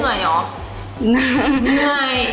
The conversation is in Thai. ทำไมแม่เหนื่อยเหรอ